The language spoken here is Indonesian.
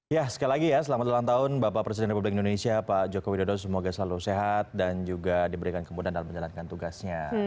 ya sekali lagi ya selamat ulang tahun bapak presiden republik indonesia pak joko widodo semoga selalu sehat dan juga diberikan kemudahan dalam menjalankan tugasnya